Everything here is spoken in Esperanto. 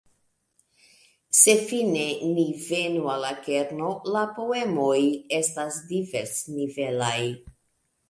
Se fine ni venu al la kerno, la poemoj estas diversnivelaj.